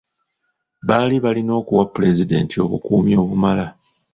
Baali balina okuwa pulezidenti obukuumi obumala.